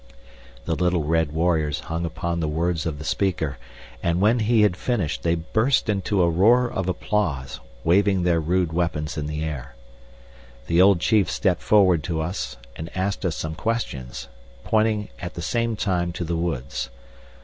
The little red warriors hung upon the words of the speaker, and when he had finished they burst into a roar of applause, waving their rude weapons in the air. The old chief stepped forward to us, and asked us some questions, pointing at the same time to the woods.